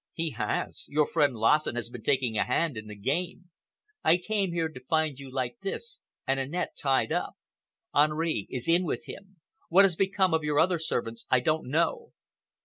"He has. Your friend Lassen has been taking a hand in the game. I came here to find you like this and Annette tied up. Henri is in with him. What has become of your other servants I don't know."